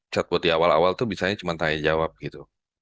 chatbot di awal awal tuh bisanya cuma tanya jawab gitu